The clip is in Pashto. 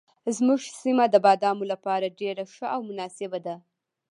زموږ سیمه د بادامو لپاره ډېره ښه او مناسبه ده.